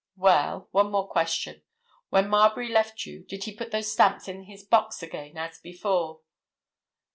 Well—one more question. When Marbury left you, did he put those stamps in his box again, as before?"